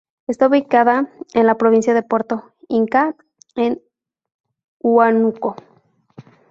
Está ubicada en la provincia de Puerto Inca en Huánuco.